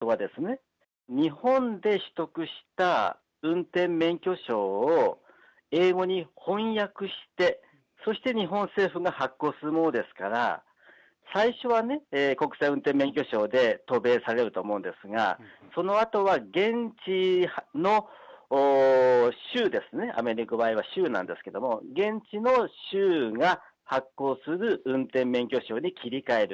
国際運転免許証とは、日本で取得した運転免許証を英語に翻訳して、そして日本政府が発行するものですから、最初は国際運転免許証で渡米されると思うんですが、そのあとは現地の州、アメリカの場合は州なんですけれども、現地の州が発行する運転免許証に切り替える。